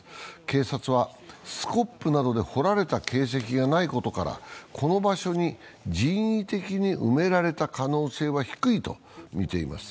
警察はスコップなどで掘られた形跡がないことからこの場所に人為的に埋められた可能性は低いと見ています。